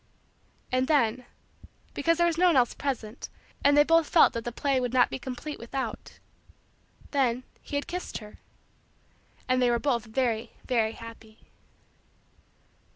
And then because there was no one else present and they both felt that the play would not be complete without then, he had kissed her, and they were both very, very, happy.